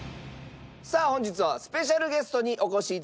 さあ本日はスペシャルゲストにお越し頂きました。